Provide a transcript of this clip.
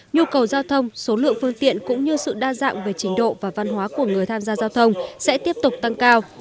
nhu cầu giao thông số lượng phương tiện cũng như sự đa dạng về trình độ và văn hóa của người tham gia giao thông sẽ tiếp tục tăng cao